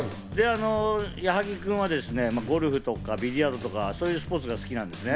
矢作君はゴルフとかビリヤードとか、そういうスポーツが好きなんですね。